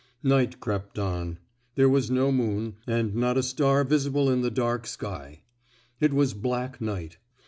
Night crept on; there was no moon, and not a star visible in the dark sky; it was black night.